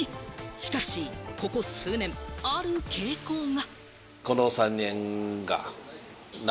しかしここ数年、ある傾向が。